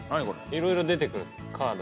いろいろ出てくるカード。